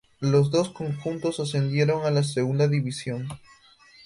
Los dos conjuntos ascendieron a la Segunda División.